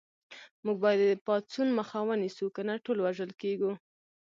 موږ باید د پاڅون مخه ونیسو کنه ټول وژل کېږو